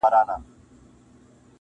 • یار نښانه د کندهار راوړې و یې ګورئ,